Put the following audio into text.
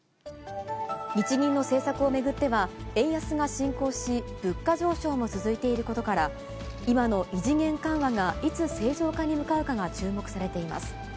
日銀の政策を巡っては、円安が進行し、物価上昇も続いていることから、今の異次元緩和がいつ正常化に向かうかが注目されています。